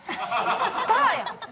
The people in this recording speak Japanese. スターやん！